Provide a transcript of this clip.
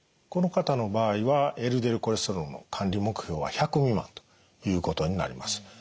この方の場合はＬＤＬコレステロールの管理目標は１００未満ということになります。